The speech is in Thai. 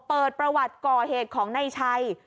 เปิดประวัติก่อเหตุของนายชัย